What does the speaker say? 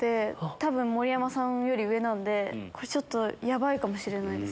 多分盛山さんより上なんでちょっとヤバいかもしれないです。